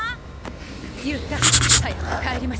勇太早く帰りましょう。